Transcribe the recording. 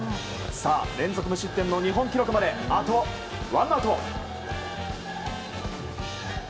連続無失点の日本記録まであとワンアウト。